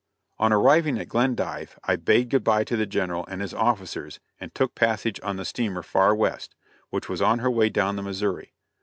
On arriving at Glendive I bade good bye to the General and his officers and took passage on the steamer Far West, which was on her way down the Missouri.